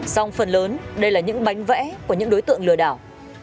song phần lớn đây là những bánh vẽ của những đối tượng lừa đảo